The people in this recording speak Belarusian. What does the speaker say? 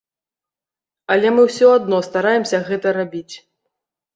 Але мы ўсё адно стараемся гэта рабіць.